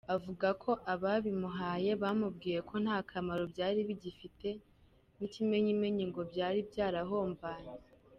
Avuga ko ababimuhaye bamubwiye ko nta kamaro byari bigifite, n’ikimenyimenyi ngo byari byarahombanye.